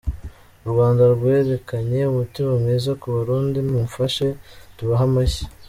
U Rwanda rwerekanye umutima mwiza ku Barundi, mumfashe tubahe amashyi!”.